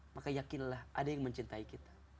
maka yakinlah ada yang mencintai kita